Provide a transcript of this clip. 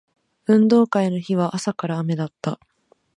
運動会の日は朝から雨だった